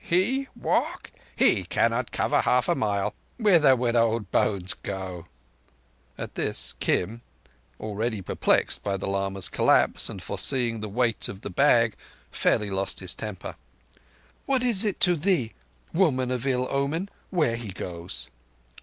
"He walk! He cannot cover half a mile. Whither would old bones go?" At this Kim, already perplexed by the lama's collapse and foreseeing the weight of the bag, fairly lost his temper. "What is it to thee, woman of ill omen, where he goes?"